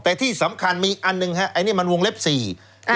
แน่มีอีกอันหนึ่งไอ้นี่มันวงเล็ก๔